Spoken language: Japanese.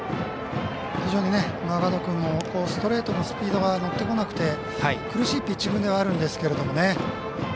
非常にマーガード君もストレートのスピードが乗ってこなくて苦しいピッチングではあるんですけどね